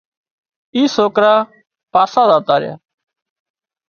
اين سوڪرا پاسا زاتا ريا سي